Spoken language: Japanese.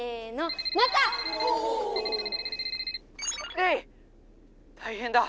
「レイたいへんだ！